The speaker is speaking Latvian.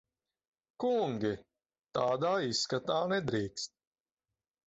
Kungi! Tādā izskatā nedrīkst.